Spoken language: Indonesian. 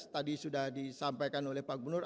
tadi sudah disampaikan oleh pak gubernur